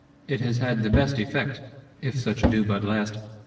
It has had the best effect; if such do but last.